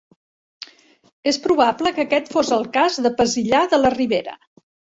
És probable que aquest fos el cas de Pesillà de la Ribera.